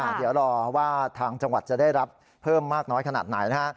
เดี๋ยวรอว่าทางจังหวัดจะได้รับเพิ่มมากน้อยขนาดไหนนะฮะ